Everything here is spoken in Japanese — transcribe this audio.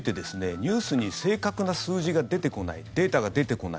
ニュースに正確な数字が出てこないデータが出てこない。